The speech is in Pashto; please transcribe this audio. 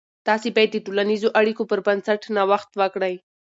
تاسې باید د ټولنیزو اړیکو پر بنسټ نوښت وکړئ.